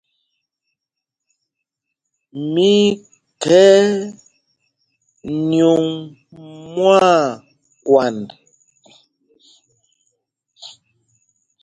Mí í khɛ̌y nyûŋ mwâkwand.